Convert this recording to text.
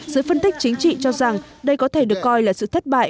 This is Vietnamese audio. giới phân tích chính trị cho rằng đây có thể được coi là sự thất bại